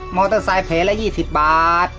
มอเตอร์ไซด์แผลละยี่สิบบาท